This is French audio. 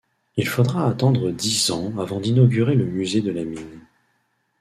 Il faudra attendre dix ans avant d'inaugurer le musée de la mine.